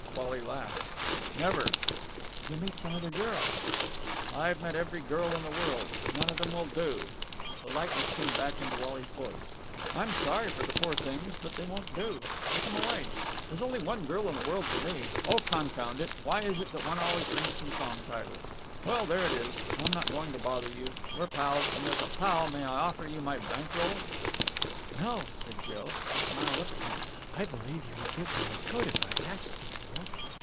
Wally laughed. "Never!" "You'll meet some other girl...." "I've met every girl in the world! None of them will do!" The lightness came back into Wally's voice. "I'm sorry for the poor things, but they won't do! Take 'em away! There's only one girl in the world for me oh, confound it! why is it that one always thinks in song titles! Well, there it is. I'm not going to bother you. We're pals. And, as a pal, may I offer you my bank roll?" "No!" said Jill. She smiled up at him. "I believe you would give me your coat if I asked you for it!"